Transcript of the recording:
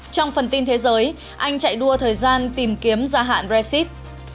trong phần tin thế giới anh chạy đua thời gian tìm kiếm gia hạn brexit